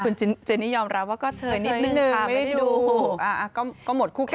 คุณเจนี่ยอมรับว่าก็เชยนิดนึงนะคะ